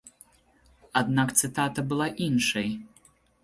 Аднак цытата была іншай!